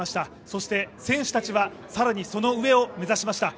そして選手たちは更にその上を目指しました。